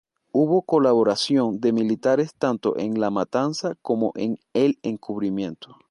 Hubo colaboración de militares tanto en la matanza como en el encubrimiento.